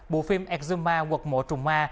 bộ phim exuma quật mộ trùng ma